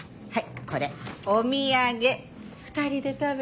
はい？